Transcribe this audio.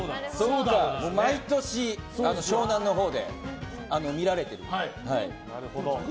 毎年、湘南のほうで見られている。